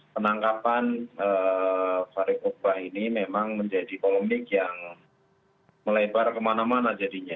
penangkapan farid okbah ini memang menjadi polemik yang melebar kemana mana jadinya